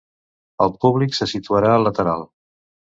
El públic se situarà al lateral.